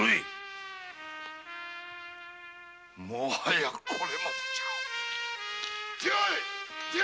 もはやこれまでじゃ。